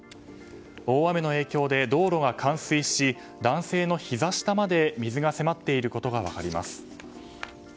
大雨の影響で道路が冠水し男性のひざ下まで水が迫っていることが分かります。